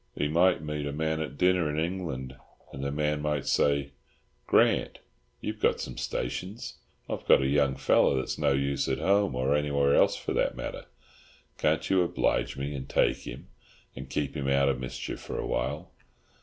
He might meet a man at dinner in England and the man might say, "Grant, you've got some stations. I've got a young fellow that's no use at home—or anywhere else for that matter—can't you oblige me, and take him and keep him out of mischief for a while?"